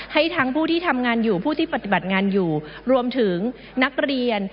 ให้ทั้งผู้ที่ทำงานอยู่ผู้ที่ปฏิบัติงานอยู่รวมถึงนักเรียน